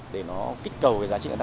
để nó kích cầu